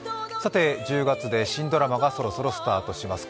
１０月で新ドラマがそろそろスタートします。